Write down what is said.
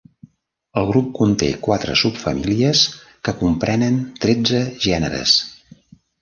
El grup conté quatre subfamílies que comprenen tretze gèneres.